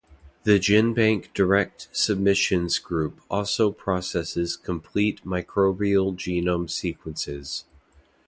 The GenBank direct submissions group also processes complete microbial genome sequences.